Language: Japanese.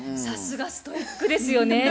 さすがストイックですよね。